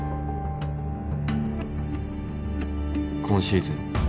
今シーズン